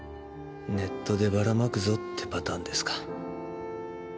「ネットでバラまくぞ」ってパターンですか。